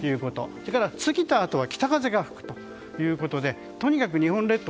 それから、過ぎたあとは北風が吹くということでとにかく日本列島